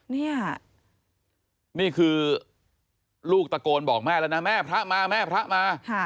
นี่นี่คือลูกตะโกนบอกแม่แล้วนะแม่พระมาแม่พระมา